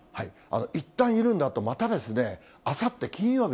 いったん緩んだあと、またああさって？